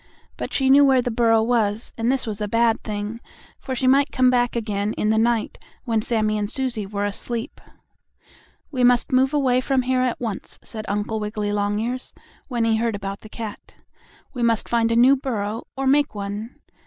But she knew where the burrow was, and this was a bad thing, for she might come back again in the night, when Sammie and Susie were asleep. "We must move away from here at once," said Uncle Wiggily Longears, when he heard about the cat. "We must find a new burrow or make one.